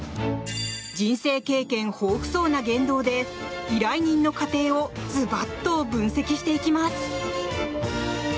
人生経験豊富そうな言動で依頼人の家庭をズバッと分析していきます！